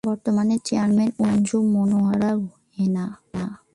বর্তমান চেয়ারম্যান-আঞ্জু মনোয়ারা হেনা